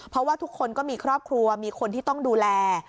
เพราะว่าทุกคนก็มีครอบครัวมีคนที่ต้องดูแล